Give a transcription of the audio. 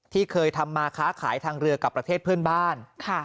เคยทำมาค้าขายทางเรือกับประเทศเพื่อนบ้าน